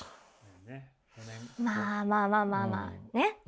まあまあまあまあね。